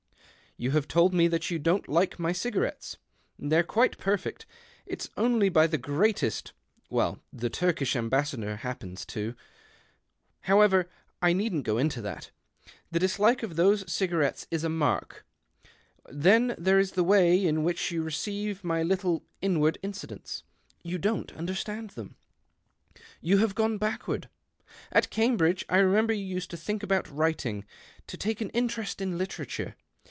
You have told me that you don't ike my cigarettes. They're quite perfect. 't's only by the greatest — well, the Turkish Embassador happens to . However, I leedn't go into that. The dislike of those cigarettes is a mark. Then there is the way n which you receive my little ' Inward Inci lents.' You don't understand them. You lave gone backward. At Cambridge, I re nember, you used to think about writing — ;o take an interest in literature.